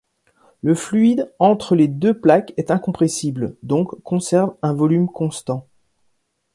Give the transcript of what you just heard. Le fluide entre les deux plaques est incompressible donc conserve un volume constant.